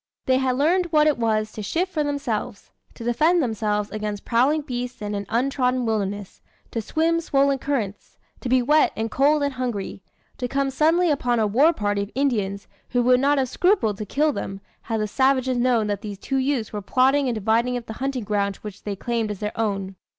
They had learned what it was to shift for themselves; to defend themselves against prowling beasts in an untrodden wilderness; to swim swollen currents; to be wet and cold and hungry; to come suddenly upon a war party of Indians, who would not have scrupled to kill them, had the savages known that these two youths were plotting and dividing up the hunting grounds which they claimed as their own.